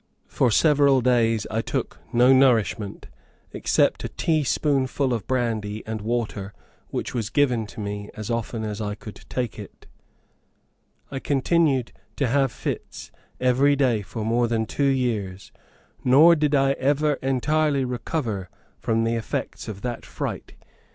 For several days I took no nourishment, except a teaspoonful of brandy and water which was given me as often as I could take it I continued to have fits every day for more than two years, nor did I ever entirely recover from the effects of that fright.